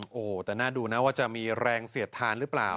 โอ้โหแต่น่าดูนะว่าจะมีแรงเสียดทานหรือเปล่า